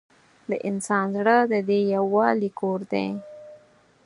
د انسان زړه د دې یووالي کور دی.